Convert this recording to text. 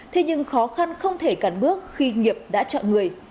thế nhưng khó khăn không thể cắn bước khi nghiệp đã chọn người